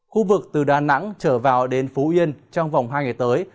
khu vực từ đà nẵng trở vào đến phú yên trong vòng hai ngày tới